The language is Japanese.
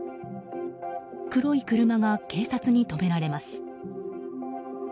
黒い車が警察に止められます。